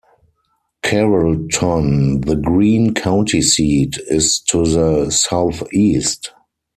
Carrollton, the Greene County seat, is to the southeast.